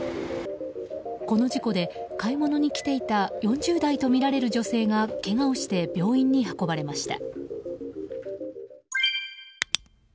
この事故で、買い物に来ていた４０代とみられる女性がけがをして病院に運ばれました。